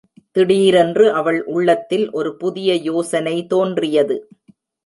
திடீரென்று அவள் உள்ளத்தில் ஒரு புதிய யோசனை தோன்றியது.